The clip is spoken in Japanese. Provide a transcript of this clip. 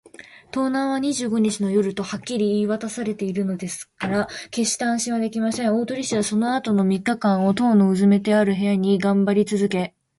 盗難は二十五日の夜とはっきり言いわたされているのですから、けっして安心はできません。大鳥氏はそのあとの三日間を、塔のうずめてある部屋にがんばりつづけ